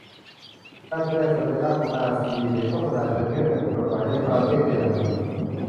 การแสดงสัญลักษณ์ของนาซีหรือโฆษณาชวนเชื่อนั้นผิดกฎหมายในประเทศเยอรมนี